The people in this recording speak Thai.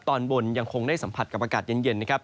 ตอนบนยังคงได้สัมผัสกับอากาศเย็นนะครับ